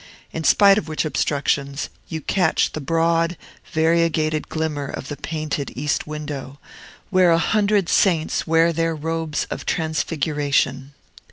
in spite of which obstructions, you catch the broad, variegated glimmer of the painted east window, where a hundred saints wear their robes of transfiguration.